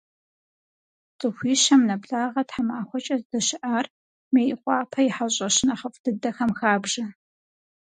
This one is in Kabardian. Цӏыхуищэм нэблагъэ тхьэмахуэкӏэ здэщыӏар Мейкъуапэ и хьэщӏэщ нэхъыфӏ дыдэхэм хабжэ.